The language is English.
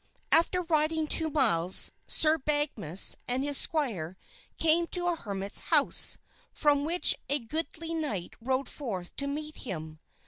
After riding two miles, Sir Badgemagus and his squire came to a hermit's house, from which a goodly knight rode forth to meet him.